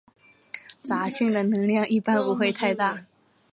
杂讯的能量一般不会太大。